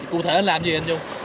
cụ thể làm gì anh vũ